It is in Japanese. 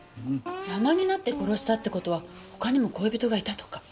邪魔になって殺したってことは他にも恋人がいたとか。